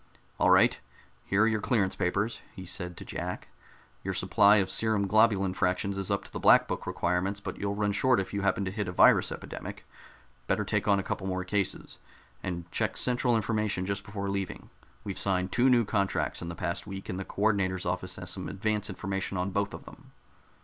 "All right, here are your clearance papers," he said to Jack. "Your supply of serum globulin fractions is up to black book requirements, but you'll run short if you happen to hit a virus epidemic; better take on a couple of more cases. And check central information just before leaving. We've signed two new contracts in the past week, and the co ordinator's office has some advance information on both of them."